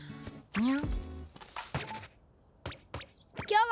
ニャ。